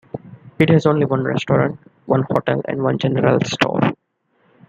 It has only one restaurant, one hotel, and one general store.